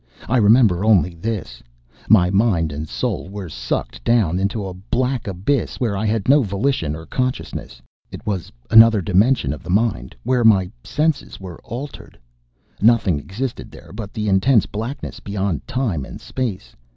I remember only this: my mind and soul were sucked down into a black abyss where I had no volition or consciousness. It was another dimension of the mind where my senses were altered.... Nothing existed there but the intense blackness beyond time and space.